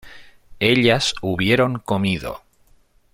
ellas hubieron comido